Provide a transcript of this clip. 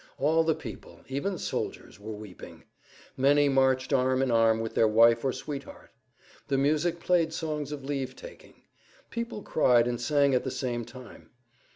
All the people, even soldiers, were weeping. Many marched arm in arm with their wife or sweetheart. The music played songs of leave taking. People cried and sang at the same time.